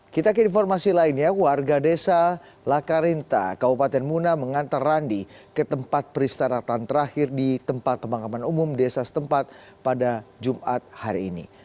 kita ke informasi lainnya warga desa lakarinta kabupaten muna mengantar randi ke tempat peristirahatan terakhir di tempat pemakaman umum desa setempat pada jumat hari ini